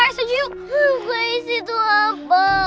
ngukai sih itu apa